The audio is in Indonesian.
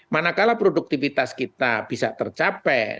manakala produktivitas kita bisa tercapai